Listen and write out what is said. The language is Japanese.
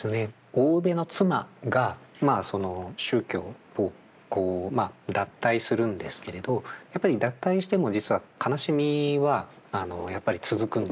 大生部の妻が宗教を脱退するんですけれどやっぱり脱退しても実は悲しみは続くんです。